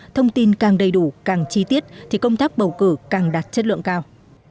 thông tin càng đầy đủ càng chi tiết thì công tác bầu cử càng đạt chất lượng cao